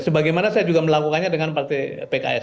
sebagaimana saya juga melakukannya dengan partai pks